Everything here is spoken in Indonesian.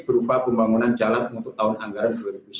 berupa pembangunan jalan untuk tahun anggaran dua ribu sembilan belas